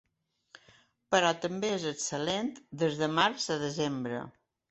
Però també és excel·lent, des de març a desembre.